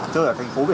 chơi ở cành sông